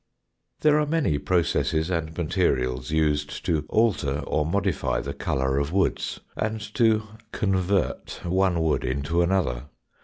There are many processes and materials used to alter or modify the colour of woods and to "convert" one wood into another.